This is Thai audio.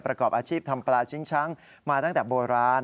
ประกอบอาชีพทำปลาชิงช้างมาตั้งแต่โบราณ